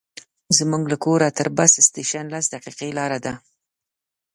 زموږ له کوره تر بس سټېشن لس دقیقې لاره ده.